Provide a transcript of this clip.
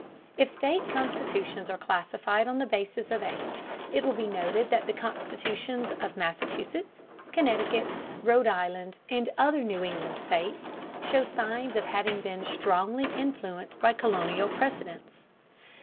If state constitutions are classified on the basis of age, it will be noted that the constitutions of Massachusetts, Connecticut, Rhode Island, and other New England states show signs of having been strongly influenced by colonial precedents.